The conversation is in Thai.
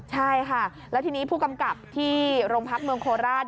ใช่ค่ะแล้วทีนี้ผู้กำกับที่โรงพักเมืองโคราช